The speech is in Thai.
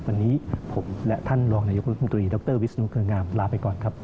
วันนี้ผมและท่านรองนายกรัฐมนตรีดรวิศนุเครืองามลาไปก่อนครับ